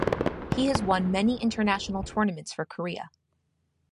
He has won many international tournaments for Korea.